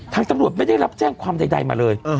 ตำรวจไม่ได้รับแจ้งความใดมาเลย